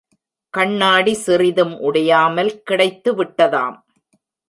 கண்ணாடி சிறிதும் உடையாமல் கிடைத்துவிட்டதாம்.